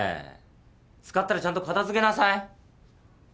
使ったらちゃんと片付けなさい！